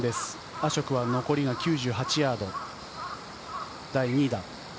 アショクは残りが９８ヤード、第２打。